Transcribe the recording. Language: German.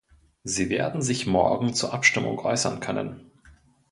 Sie werden sich morgen zur Abstimmung äußern können.